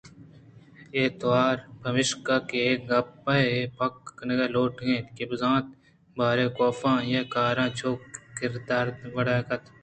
اے توار پمیشکا کہ آ اے گپ ءَ پک کنگ ءَ لوٹ اِت کہ بزانت باریں کاف آئی ءِ کاراں چو کاردار ءِ وڑا کنت